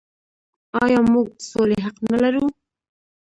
آیا موږ د سولې حق نلرو؟